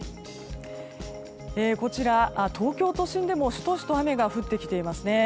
こちら、東京都心でもシトシト雨が降ってきていますね。